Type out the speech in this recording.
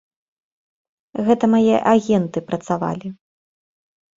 Гэта мае агенты працавалі.